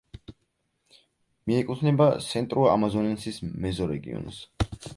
მიეკუთვნება სენტრუ-ამაზონენსის მეზორეგიონს.